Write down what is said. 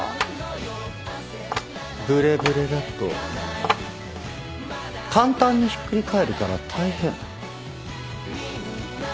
ブレブレだと簡単にひっくり返るから大変。